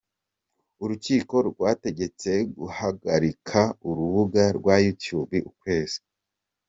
Urukiko rwategetse guhagarika urubuga rwa YouTube ukwezi